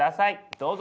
どうぞ！